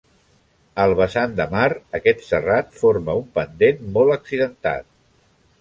Al vessant de mar, aquest serrat forma un pendent molt accidentat.